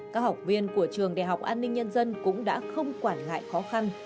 các học viên của trường đại học an ninh nhân dân cũng đã không quản ngại khó khăn